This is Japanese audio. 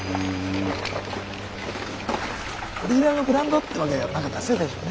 オリジナルのブランドってわけじゃなかったんですね。